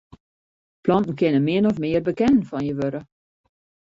Planten kinne min of mear bekenden fan je wurde.